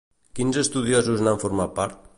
Quins estudiosos n'han format part?